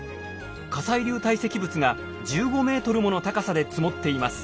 火砕流堆積物が１５ｍもの高さで積もっています。